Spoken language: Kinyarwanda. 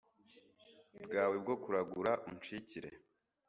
bwawe bwo kuragura p unshikire